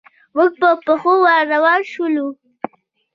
موږ په پښو ور روان شولو.